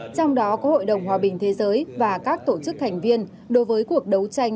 trong đó có hội đồng hòa bình thế giới và các tổ chức thành viên đối với cuộc đấu tranh